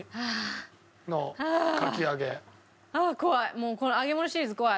もうこの揚げ物シリーズ怖い。